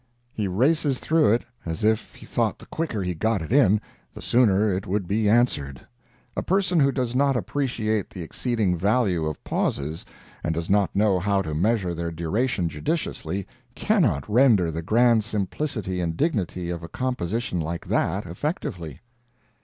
He races through it as if he thought the quicker he got it in, the sooner it would be answered. A person who does not appreciate the exceeding value of pauses, and does not know how to measure their duration judiciously, cannot render the grand simplicity and dignity of a composition like that effectively.